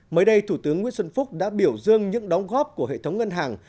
mới đây thủ tướng nguyễn xuân phúc đã biểu dương những đóng góp của hệ thống ngân hàng